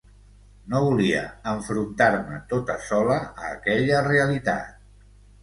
No volia enfrontar-me tota sola a aquella realitat.